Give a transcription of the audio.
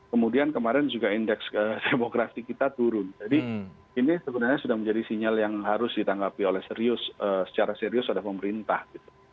kemudian kemarin juga indeks demokrasi kita turun jadi ini sebenarnya sudah menjadi sinyal yang harus ditanggapi oleh serius secara serius oleh pemerintah gitu